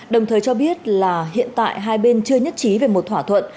đồng thời cho biết là hiện tại hai bên chưa nhất trí về một thỏa thuận